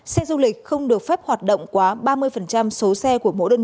xe du lịch không được phép hoạt động quá ba mươi số xe của mỗi đường